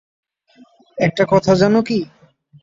একটা কথা জানো কি?